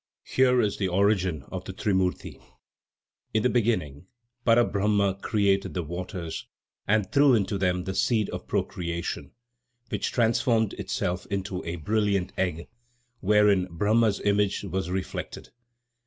Here is the origin of the trimurti: In the beginning, Para Brahma created the waters and threw into them the seed of procreation, which transformed itself into a brilliant egg, wherein Brahma's image was reflected.